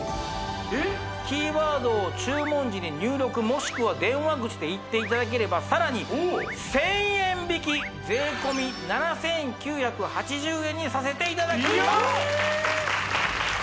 えっ？キーワードを注文時に入力もしくは電話口で言っていただければさらに１０００円引き税込７９８０円にさせていただきますおっええ